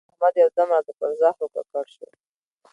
احمد یو دم راته پر زهرو ککړ شو.